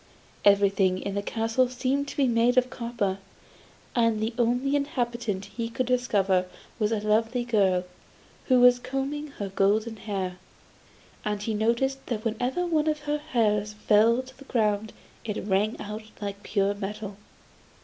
Everything in the castle seemed to be made of copper, and the only inhabitant he could discover was a lovely girl, who was combing her golden hair; and he noticed that whenever one of her hairs fell on the ground it rang out like pure metal.